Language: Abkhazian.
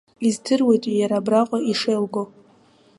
Издыруеит иара абраҟа ишеилго!